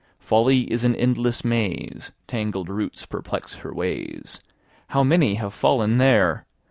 Folly is an endless maze; Tangled roots perplex her ways; How many have fallen there!